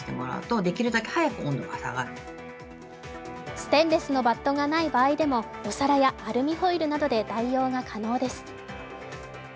ステンレスのバットがない場合でもお皿やアルミホイルなどで代用が可能です。